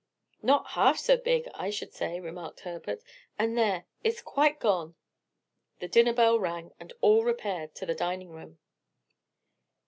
"Not half so big, I should say," remarked Herbert. "And there, it's quite gone." The dinner bell rang and all repaired to the dining room.